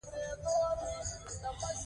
د هغې نوم تر تل پاتې بل څه مهم دی.